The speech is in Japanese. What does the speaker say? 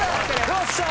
よっしゃ！